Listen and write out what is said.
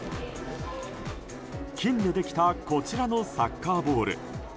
金でできたこちらのサッカーボール。